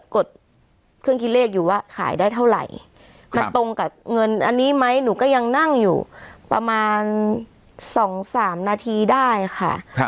กดเครื่องคิดเลขอยู่ว่าขายได้เท่าไหร่อันนี้ไหมหนูก็ยังนั่งอยู่ประมาณสองสามนาทีได้ค่ะ